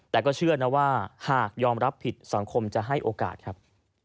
แต่ก็เชื่อนะว่าหากยอมรับผิดสังคมจะให้โอกาสครับ